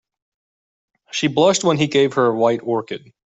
She blushed when he gave her a white orchid.